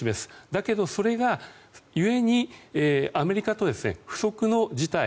だけどそれがゆえにアメリカと不測の事態